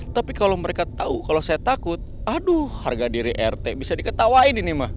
tapi kalau mereka tahu kalau saya takut aduh harga diri rt bisa diketawain ini mah